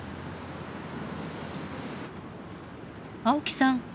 青木さん